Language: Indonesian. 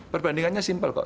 perbandingannya simpel kok